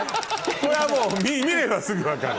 これはもう見ればすぐ分かる。